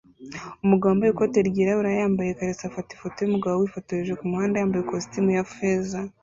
Umugabo wambaye ikoti ryirabura yambaye ikariso afata ifoto yumugabo wifotoje kumuhanda yambaye ikositimu ya feza